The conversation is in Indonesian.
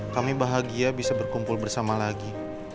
kami bahagia bisa berkumpul bersama lagi